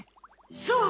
そう！